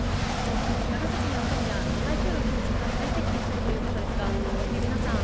長崎には今夜、台風の中心が最接近するということですが皆さん